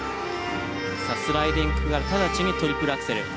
さあスライディングから直ちにトリプルアクセル。